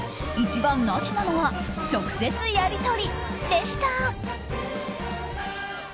一番なしなのは直接やり取りでした。